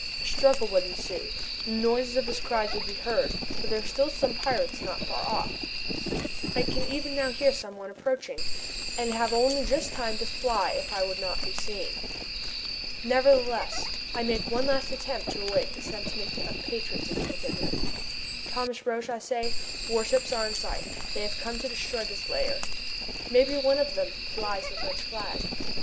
A struggle would ensue. The noise and his cries would be heard, for there are still some pirates not far off, I can even now hear some one approaching, and have only just time to fly if I would not be seen. Nevertheless, I make one last attempt to awaken the sentiment of patriotism within him. "Thomas Roch," I say, "warships are in sight. They have come to destroy this lair. Maybe one of them flies the French flag!"